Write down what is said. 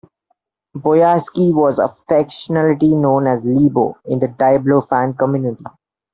Boyarsky was affectionately known as 'LeBo' in the Diablo fan community.